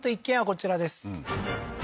こちらです